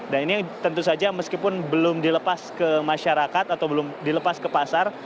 dan ini tentu saja meskipun belum dilepas ke masyarakat atau belum dilepas ke pasar